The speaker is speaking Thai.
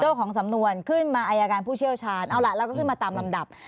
ของสำนวนขึ้นมาอายการผู้เชี่ยวชาญเอาล่ะแล้วก็ขึ้นมาตามลำดับ